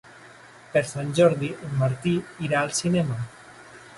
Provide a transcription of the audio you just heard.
Per Sant Jordi en Martí irà al cinema.